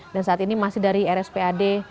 dan saat ini masih dari rspad